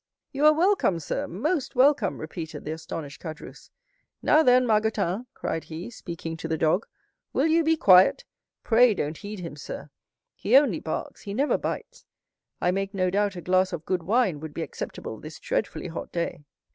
0319m "You are welcome, sir, most welcome!" repeated the astonished Caderousse. "Now, then, Margotin," cried he, speaking to the dog, "will you be quiet? Pray don't heed him, sir!—he only barks, he never bites. I make no doubt a glass of good wine would be acceptable this dreadfully hot day."